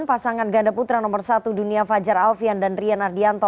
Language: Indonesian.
pasangan ganda putra nomor satu dunia fajar alfian dan rian ardianto